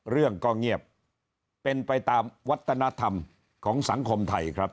เรื่องก็เงียบเป็นไปตามวัฒนธรรมของสังคมไทยครับ